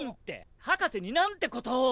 博士になんてことを。